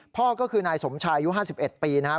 พ่อก็คือนายสมชายอายุ๕๑ปีนะครับ